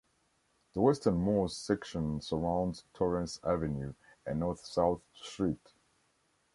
The westernmost section surrounds Torrence Avenue, a north-south street.